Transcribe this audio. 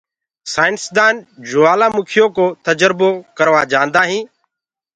سآئينسدآن جوآلآ مِکيو ڪو تجربو ڪورآ جآندآ هينٚ